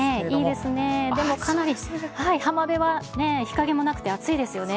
いいですね、かなり、浜辺は日陰もなくて暑いですよね。